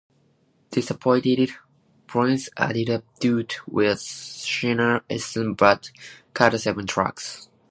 Disappointed, Prince added a duet with Sheena Easton, but cut seven tracks.